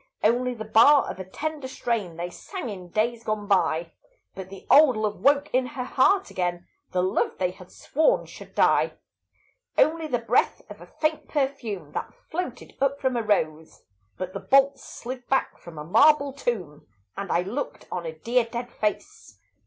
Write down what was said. Only the bar of a tender strain They sang in days gone by; But the old love woke in her heart again, The love they had sworn should die. Only the breath of a faint perfume That floated up from a rose; But the bolts slid back from a marble tomb, And I looked on a dear dead face.